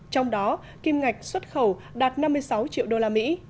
trong đó kim ngạch xuất khẩu đạt năm mươi sáu triệu đô la mỹ